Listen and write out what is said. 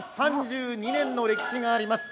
３２年の歴史があります。